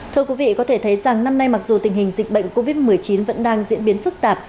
thưa quý vị có thể thấy rằng năm nay mặc dù tình hình dịch bệnh covid một mươi chín vẫn đang diễn biến phức tạp